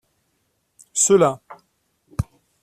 Ceux-là.